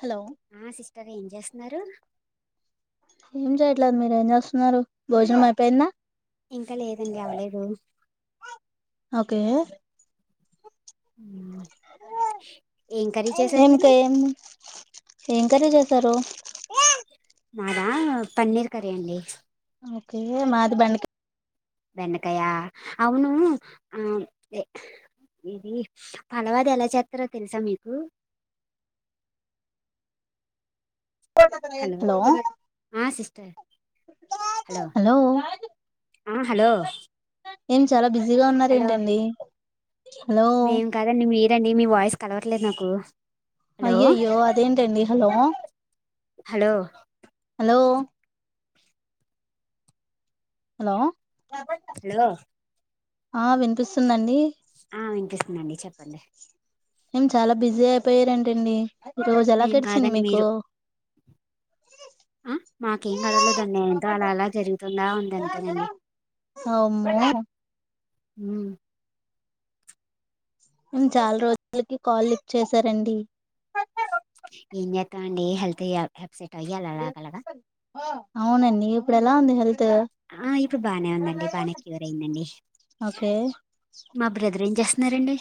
hello ఆ sister ఏం చేస్తున్నారు ఏం చేయట్లేదు మీరు ఏం చేస్తున్నారు భోజనం అయిపోయిందా ఇంకా లేదండి అవ్వలేదు ఓకే ఏం కర్రీ చేసారు మీరు ఎం కర్రీ చేసారు మాదా పన్నీర్ కర్రీ అండి ఓకే మాది బెండకాయ బెండకాయ అవును ఆ ఏ ఉమ్మ్ పలావ్ అది ఎలా చేస్తారో తెలుసా మీకు అ హలో ఆ సిస్టర్ హలో మ్మ్ హలో ఎం చాలా బిజీగా ఉన్నారు హలో ఏంటండీ మేం కాదండి మీరండి మీ వాయిస్ కలవట్లేదు నాకు హలో అయ్యో అయ్యో అదేంటండి hello hello hello hello hello ఆ వినిపిస్తుందండి ఆ వినిపిస్తుందండి చెప్పండి ఏం చాలా బిజీ అయిపోయారంటండి రోజు ఎలా మేం గడిచింది కాదండి మీకు మీరు ఆ మాకేం గొడవలేదండి ఏంతో అలా అలా జరుగుతుందా ఉంది అంతేనండి అమ్మో హ మ్మ్ చాలా రోజులకి కాల్ లిఫ్ట్ చేసారండి ఏం చేస్తాం అండి హెల్త్ అప్సెట్ అయ్యి ఆలా అలాగా అవునా అండి ఇప్పుడు ఎలా ఉంది హెల్త్ ఆ ఇప్పుడు బానే ఉందండి బాగానే క్యూర్ అయిందండి ఓకే మా బ్రదర్ం ఎం చెస్ చేస్తున్నారండి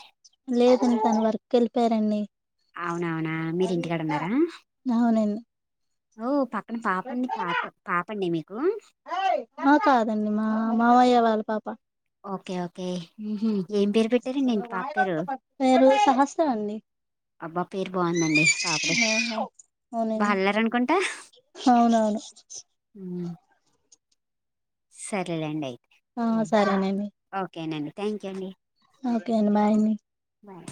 లేదండి తను వర్క్ వెళ్ళిపోయారు అండి అవునవునా మీరి ఇంటికాడ ఉన్నారా అవునండి ఓ పక్క నా పాప ఉంది పాప పాప అండి మీకు ఆ కాదండి మా మామయ్య వాళ్ళ పాప ఓకే ఓకే ఏం పేరు పెట్టారండి ఇంటి పాప పేరు సహస్రం అండి అబ్బ పేరు బాగుందండి పాపది బా అవునండి అల్లర్ అనుకుంట అవునవును హు సర్లెండి ఆ ఏ సరేనండి ఓకేనండి థ్యాంక్ యూ అండి ఓకే అండి బాయ్ అని బాయ్